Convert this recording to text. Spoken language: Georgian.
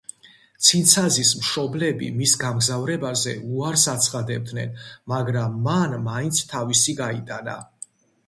ცინცაძის მშობლები მის გამგზავრებაზე უარს აცხადებდნენ, მაგრამ მან მაინც თავისი გაიტანა.